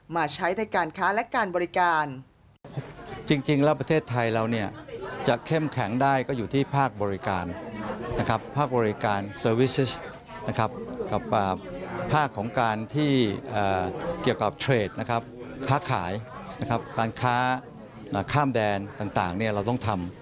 มาใช้ในการค้าและการบริการ